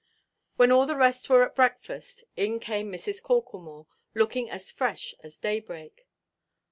When all the rest were at breakfast, in came Mrs. Corklemore, looking as fresh as daybreak.